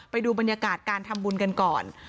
ไปดูบรรยากาศการทำบุญกันก่อน